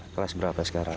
kelas berapa sekarang